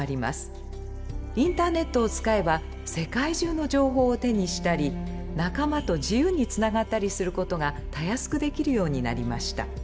インターネットを使えば世界中の情報を手にしたり仲間と自由につながったりすることがたやすくできるようになりました。